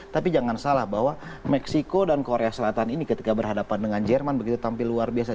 tapi jangan salah bahwa meksiko dan korea selatan ini ketika berhadapan dengan jerman begitu tampil luar biasa